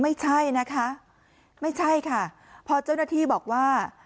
ไม่ใช่นะคะไม่ใช่ค่ะพอเจ้าหน้าที่บอกว่า